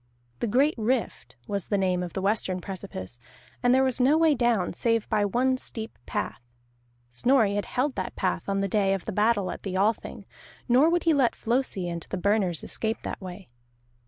The Great Rift was the name of the western precipice, and there was no way down save by one steep path; Snorri had held that path on the day of the battle at the Althing, nor would he let Flosi and the Burners escape that way.